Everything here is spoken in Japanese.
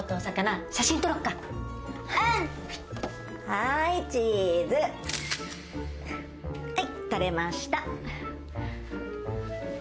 はいチーズはい撮れました